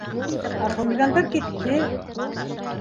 Ә хулигандар китте!